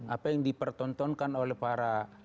apa yang dipertontonkan oleh para